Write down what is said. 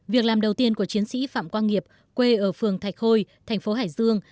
việc làm đầu tiên của chiến sĩ phạm quang nghiệp quê ở phường thạch khôi thành phố hải dương